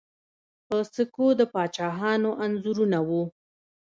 په سکو د پاچاهانو انځورونه وو